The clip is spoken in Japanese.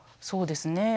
そうですね